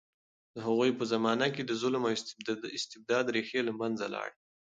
د هغوی په زمانه کې د ظلم او استبداد ریښې له منځه لاړې.